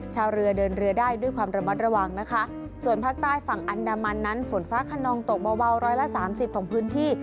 ชาวเรือเดินเรือได้ด้วยความระมัดระวังนะคะส่วนภาคใต้ฝั่งอันดามันนั้นฝนฟ้าขนองตกเบาร้อยละสามสิบของพื้นที่